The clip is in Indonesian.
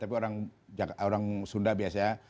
tapi orang sunda biasa